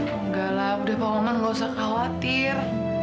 enggak lah udah pak maman gak usah khawatir